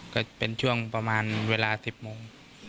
ก็เป็นช่วงประมาณเวลา๑๐โมง